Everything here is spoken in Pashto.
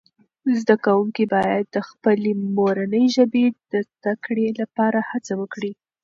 زده کوونکي باید د خپلې مورنۍ ژبې د زده کړې لپاره هڅه وکړي.